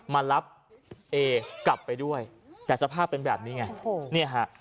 มารับเอกลับไปด้วยแต่สภาพเป็นแบบนี้ไงโอ้โหเนี่ยฮะ